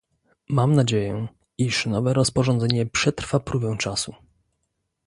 Mam nadzieję, iż nowe rozporządzenie przetrwa próbę czasu